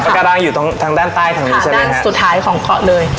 อ่าวปากกาลังอยู่ทั้งทางด้านใต้ทางนี้ใช่ไหมคะทางด้านสุดท้ายของเกาะเลย